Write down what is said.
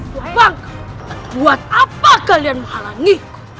hai pang dan buat apa kalian menghalangi